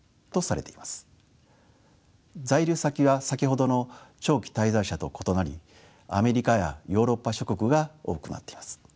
在留先は先ほどの長期滞在者と異なりアメリカやヨーロッパ諸国が多くなっています。